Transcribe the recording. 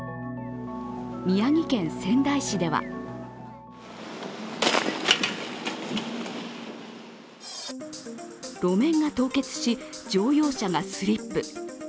宮城県仙台市では路面が凍結し、乗用車がスリップ。